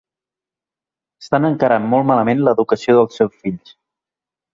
Estan encarant molt malament l'educació dels seus fills.